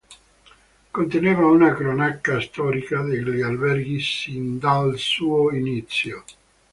Conteneva una cronaca storica degli alberghi sin dal suo inizio.